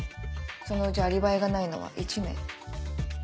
そのうちアリバイがないのは１名。